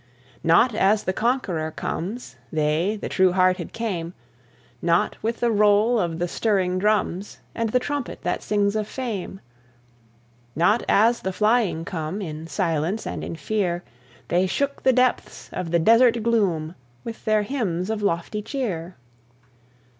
Not as the conqueror comes, They, the true hearted, came; Not with the roll of the stirring drums, And the trumpet that sings of fame. Not as the flying come, In silence and in fear; They shook the depths of the desert gloom With their hymns of lofty cheer.